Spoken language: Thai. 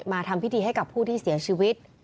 มาทำพิธีให้กับผู้ที่เสียชีวิต